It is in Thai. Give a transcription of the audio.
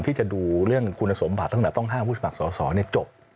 ที่จะดูเรื่องคุณสมบัติตั้งแต่ต้องห้ามผู้สมัครสอสอจบ